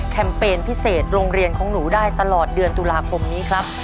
เปญพิเศษโรงเรียนของหนูได้ตลอดเดือนตุลาคมนี้ครับ